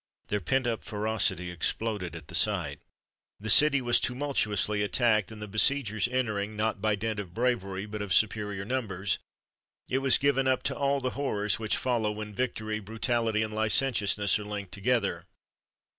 Their pent up ferocity exploded at the sight. The city was tumultuously attacked, and the besiegers entering, not by dint of bravery, but of superior numbers, it was given up to all the horrors which follow when victory, brutality, and licentiousness are linked together.